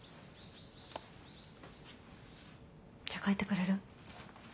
じゃあ帰ってくれる？